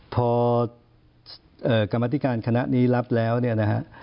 พอกรรมธิการคณะนี้รับแล้วเนี่ยนะฮะ